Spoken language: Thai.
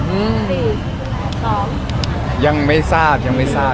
อืมยังไม่ทราบครับ